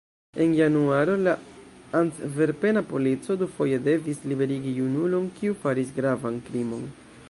En januaro la antverpena polico dufoje devis liberigi junulon, kiu faris gravan krimon.